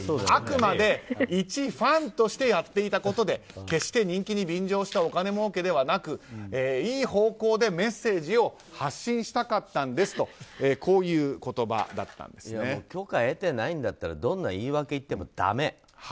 あくまで一ファンとしてやっていたことで決して人気に便乗したお金もうけではなくいい方向でメッセージを発信したかったんですと許可得てないんだったらどんな言い訳を言ってもだめ。